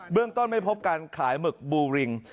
เรื่องต้นไม่พบการขายหมึกบูริง